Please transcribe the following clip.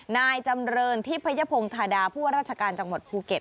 นายจำเรินทิพยพงธาดาผู้ว่าราชการจังหวัดภูเก็ต